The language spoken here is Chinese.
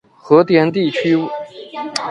和田地区位于新疆维吾尔自治区最南端。